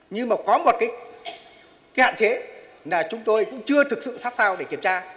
nhưng mà có một cái hạn chế là chúng tôi cũng chưa thực sự sát sao để kiểm tra